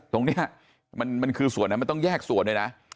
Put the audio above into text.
ตรงนี้มันคือส่วนนั้นมันต้องแยกส่วนด้วยนะ